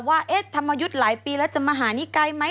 ว่าธรรมยุทธ์หลายปีแล้วจะมหานิกายไหม